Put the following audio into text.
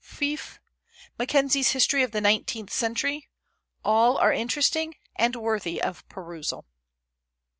Fyffe, Mackenzie's History of the Nineteenth Century, all are interesting, and worthy of perusal.